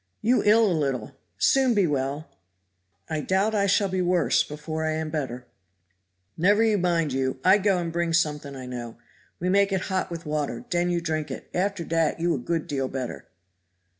"You ill a little soon be well." "I doubt I shall be worse before I am better." "Never you mind you. I go and bring something I know. We make it hot with water, den you drink it; and after dat you a good deal better."